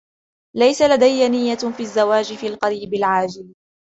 ليس لدي نية في الزواج في القريب العاجل.